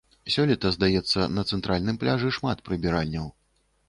Сёлета, здаецца, на цэнтральным пляжы, шмат прыбіральняў.